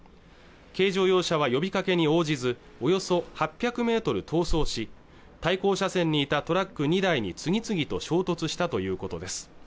軽乗用車は呼びかけに応じずおよそ８００メートル逃走し対向車線にいたトラック２台に次々と衝突したということです